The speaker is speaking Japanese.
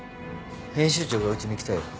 編集長がうちに来たよ。